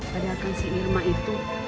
padahal kan si irma itu